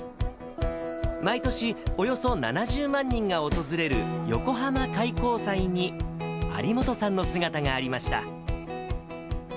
毎年、およそ７０万人が訪れる横浜開港祭に、有本さんの姿がありました。